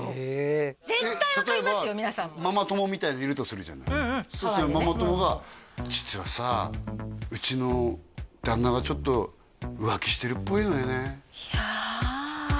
ママ友みたいなのいるとするじゃないそしたらママ友が「実はさうちの旦那がちょっと浮気してるっぽいのよね」